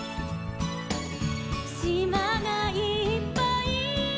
「しまがいっぱい」